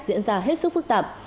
diễn ra hết sức phức tạp